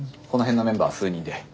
この辺のメンバー数人で。